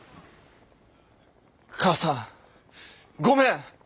母さんごめん！